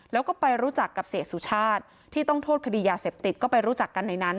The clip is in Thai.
แล้วก็ไปรู้จักกับเสียสุชาติที่ต้องโทษคดียาเสพติดก็ไปรู้จักกันในนั้น